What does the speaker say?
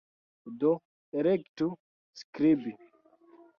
Do, elektu "skribi"